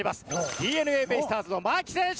ＤｅＮＡベイスターズの牧選手です！